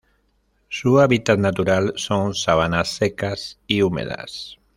Su hábitat natural son: sabanas secas y húmedas.